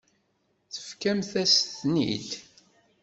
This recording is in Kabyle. Tefkamt-as-ten-id.